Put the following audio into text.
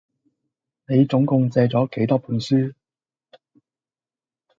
你總共借咗幾多本書？